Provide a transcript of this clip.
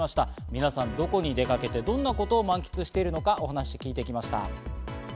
皆さん、どこに出かけて、どんなことを満喫しているのか、お話を聞いてきました。